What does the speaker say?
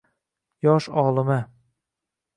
Yosh olima